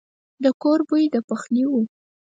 د کور بوی د پخلي وو.